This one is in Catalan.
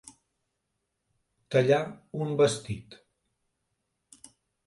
Tallar un vestit.